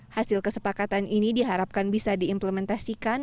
hasil kesepakatan ini diharapkan bisa diimplementasikan